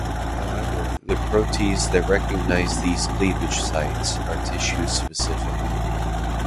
However, the proteases that recognize these cleavage sites are tissue-specific.